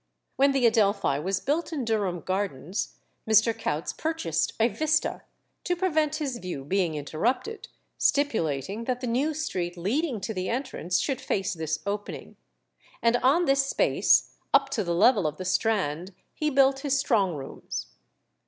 When the Adelphi was built in Durham Gardens, Mr. Coutts purchased a vista to prevent his view being interrupted, stipulating that the new street leading to the entrance should face this opening; and on this space, up to the level of the Strand, he built his strong rooms.